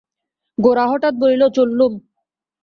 গোরা হঠাৎ বলিল, চললুম।